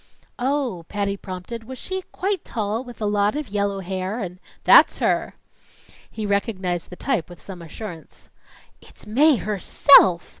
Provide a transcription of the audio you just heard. "Oh," Patty prompted, "was she quite tall with a lot of yellow hair and " "That's her!" He recognized the type with some assurance. "It's Mae herself!"